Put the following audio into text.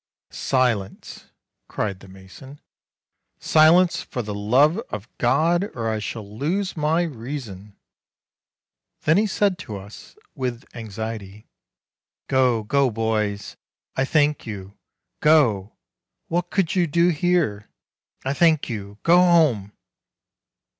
"Silence!" cried the mason; "silence, for the love of God, or I shall lose my reason!" Then he said to us, with anxiety : "Go, go, boys, I thank you ; go ! what could you do here ? I thank you ; go home!"